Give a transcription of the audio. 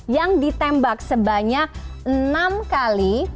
yang ditembak sebanyak enam kali